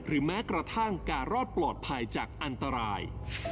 แม้กระทั่งการรอดปลอดภัยจากอันตราย